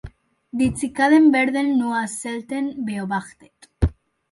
Die Zikaden werden nur selten beobachtet.